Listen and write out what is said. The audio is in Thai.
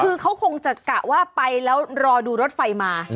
คือเขาคงจะกะว่าไปแล้วรอดูรถไฟมา